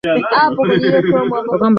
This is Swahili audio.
lile suali kama jeshi la Uturuki linaheshimu